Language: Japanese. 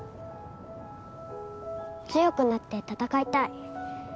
強くなって戦いたい